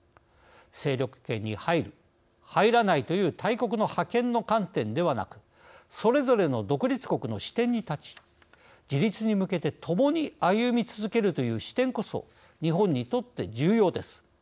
勢力圏に入る、入らないという大国の覇権の観点ではなくそれぞれの独立国の視点に立ち自立に向けてともに歩み続けるという視点こそ日本にとって重要です。